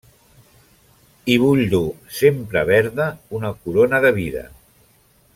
Hi vull dur, sempre verda, una corona de vida.